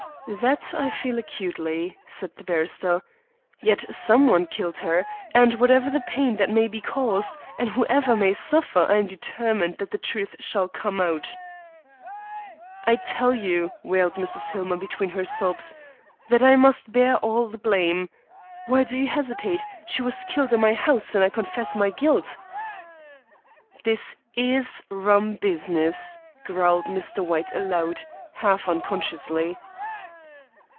"That I feel acutely," said the barrister. "Yet some one killed her, and, whatever the pain that may be caused, and whoever may suffer, I am determined that the truth shall come out." "I tell you," wailed Mrs. Hillmer between her sobs, "that I must bear all the blame. Why do you hesitate? She was killed in my house, and I confess my guilt." "This is rum business," growled Mr. White aloud, half unconsciously.